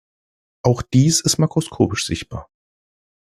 Auch dies ist makroskopisch sichtbar.